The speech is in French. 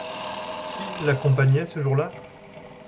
Qui l'accompagnait ce jour-là ?